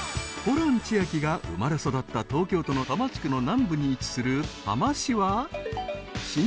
［ホラン千秋が生まれ育った東京都の多摩地区の南部に位置する］